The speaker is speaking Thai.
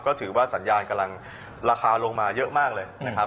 ก็ถือว่าสัญญาณกำลังราคาลงมาเยอะมากเลยนะครับ